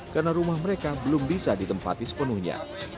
karena rumah mereka belum bisa ditempati sepenuhnya